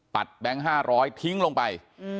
แบงค์๕๐๐ทิ้งลงไป